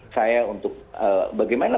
saya untuk bagaimana